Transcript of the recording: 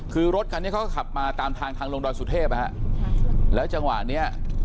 คือรถคันนี้เขาก็ขับมาตามทางทางลงดอยสุเทพนะฮะแล้วจังหวะเนี้ย